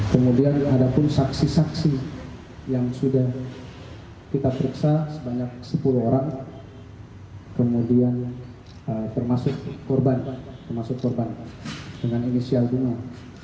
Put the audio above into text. kemudian ada pun saksi saksi yang sudah kita periksa sebanyak sepuluh orang kemudian termasuk korban termasuk korban dengan inisial guna